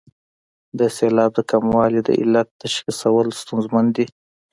د سېلاب د کموالي د علت تشخیصول ستونزمن دي.